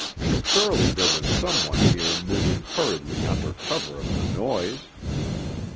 Surely there was some one near moving hurriedly under cover of the noise!